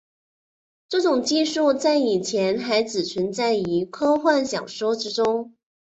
这种技术在以前还只存在于科幻小说之中。